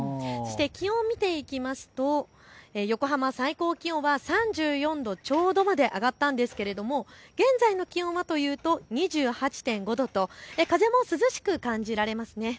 気温を見ていきますと横浜、最高気温は３４度ちょうどまで上がったんですが現在の気温はというと２８．５度と風も涼しく感じられます。